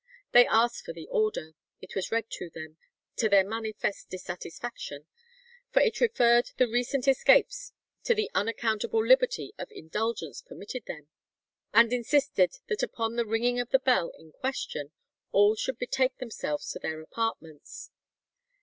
They asked for the order. It was read to them, to their manifest dissatisfaction, for it referred the recent escapes to the unaccountable liberty of indulgence permitted them, and insisted that upon the ringing of the bell in question all should betake themselves to their apartments.